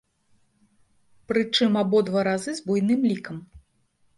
Прычым, абодва разы з буйным лікам.